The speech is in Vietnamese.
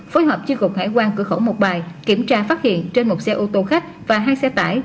phối hợp tri cục hải quan cửa khẩu mộc bài kiểm tra phát hiện trên một xe ô tô khách và hai xe tải